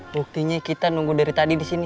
buktinya kita nunggu dari tadi di sini